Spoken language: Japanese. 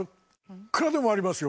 いくらでもありますよ